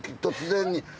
突然に。